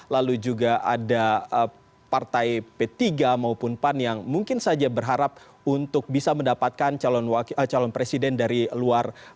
lalu juga ada partai p tiga maupun pan yang mungkin saja berharap untuk bisa mendapatkan calon presiden dari luar